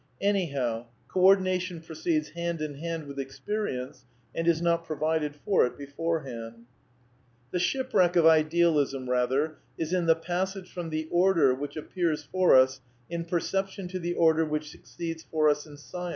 Anyhow, co ordination proceeds hand in hand with experience, and is not pro vided for it beforehand. The shipwreck of Idealism, rather, is in " the passage from the order which appears for us in perception to the order which succeeds for us in science."